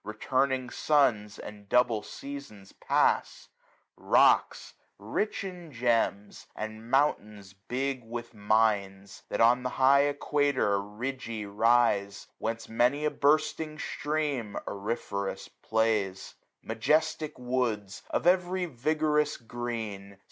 Returning suns and double seasons pass : 645 Rocks rich in gems, and mountains big with mines. That on the high equator ridgy rise. Whence many a bursting stream auriferous plays : Majestic woods, of every vigorous green.